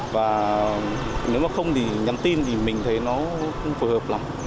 và nếu mà không thì nhắn tin thì mình thấy nó không phù hợp lắm